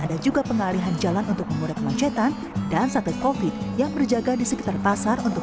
ada juga pengalihan jalan untuk mengurai kemacetan dan sate kofit yang berjaga di sekitar pasar untuk